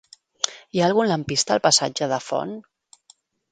Hi ha algun lampista al passatge de Font?